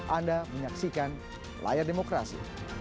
anda menyaksikan layar demokrasi